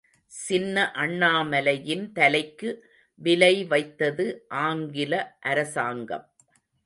சின்ன அண்ணாமலையின் தலைக்கு விலை வைத்தது ஆங்கில அரசாங்கம்.